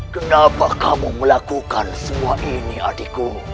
kenapa kamu melakukan semua ini adikku